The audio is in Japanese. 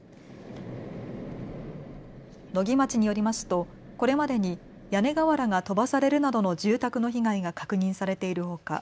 野木町によりますとこれまでに屋根瓦が飛ばされるなどの住宅の被害が確認されているほか